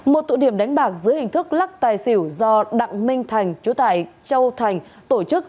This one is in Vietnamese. một tụ điểm đánh bạc dưới hình thức lắc tài xỉu do đặng minh thành chú tại châu thành tổ chức